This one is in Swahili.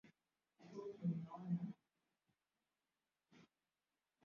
Ugonjwa wa kiwele huambukizwa kutoka kwa mnyama mmoja hadi mwingine